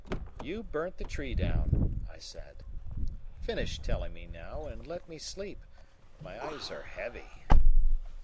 "You burnt the tree down," I said. "Finish telling me now and let me sleep my eyes are heavy."